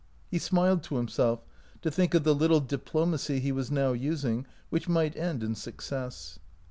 He smiled to himself to think of the little diplomacy he was now using, which might end in success.